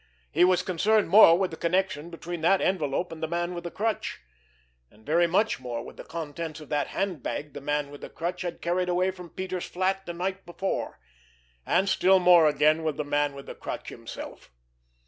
He was concerned more with the connection between that envelope and the Man with the Crutch; and very much more with the contents of that handbag the Man with the Crutch had carried away from Peters' flat the night before; and still more again with the Man with the Crutch himself!